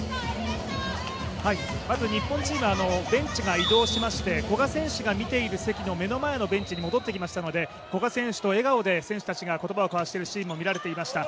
まず日本チーム、ベンチが移動しまして古賀選手が見ている席の目の前にベンチに戻ってきましたので古賀選手と笑顔で選手たちが言葉を交わしているシーンもありました。